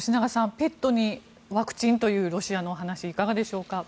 ペットにワクチンというロシアのお話いかがでしょうか。